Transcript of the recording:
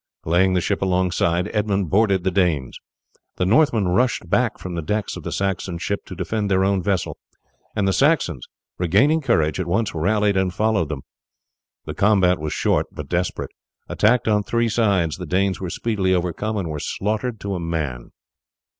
Laying the ship alongside, Edmund boarded the Danes. The Northmen rushed back from the decks of the Saxon ship to defend their own vessel; and the Saxons, regaining courage, at once rallied and followed them. The combat was short but desperate. Attacked on three sides, the Danes were speedily overcome and were slaughtered to a man.